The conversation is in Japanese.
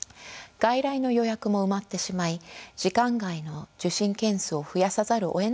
外来の予約も埋まってしまい時間外の受診件数を増やさざるをえない状況です。